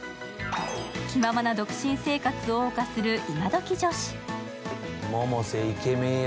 気ままな独身生活をおう歌する今どき女子。